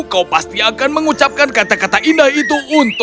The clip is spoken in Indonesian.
kau pasti akan mengucapkan kata katamu